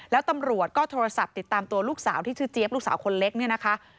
แล้วตำรวจก็โทรศัพท์ติดตามตัวลูกสาวที่ชื่อเจี๊ยบลูกสาวคนเล็กเนี่ยนะคะ